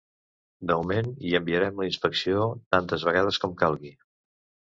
De moment, hi enviarem la inspecció tantes vegades com calgui.